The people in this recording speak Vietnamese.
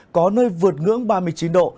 có nơi vượt ngưỡng ba mươi chín độ